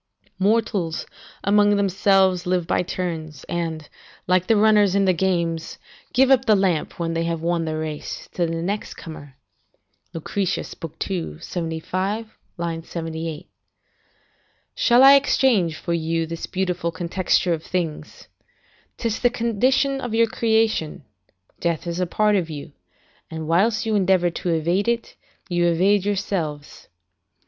["Mortals, amongst themselves, live by turns, and, like the runners in the games, give up the lamp, when they have won the race, to the next comer. " Lucretius, ii. 75, 78.] "Shall I exchange for you this beautiful contexture of things? 'Tis the condition of your creation; death is a part of you, and whilst you endeavour to evade it, you evade yourselves.